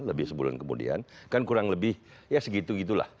lebih sebulan kemudian kan kurang lebih ya segitu gitulah